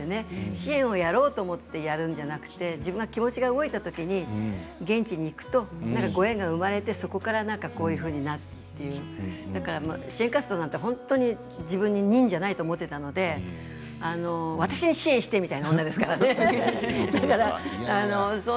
支援をやろうと思ってやるんじゃなくて自分の気持ちが動いたときに現地に行くとご縁が生まれてそこからこういうふうになるという支援活動なんて本当に自分に任じゃないと思っていたんですけど私に支援して、みたいな女ですからね。